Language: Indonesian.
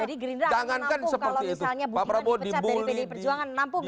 jadi gerindra akan nampung kalau misalnya budiman dipecat dari pdi perjuangan nampung gak